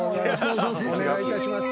どうもお願いいたします。